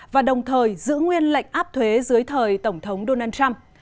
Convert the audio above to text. và đồng thời giữ nguyên lệnh áp thuế dưới thời tổng thống donald trump